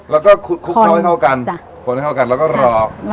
แล้วก็คุบเข้าให้เข้ากันผนเข้ากันแล้วเราก็รอ